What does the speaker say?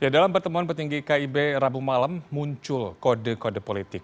dalam pertemuan petinggi kib rabu malam muncul kode kode politik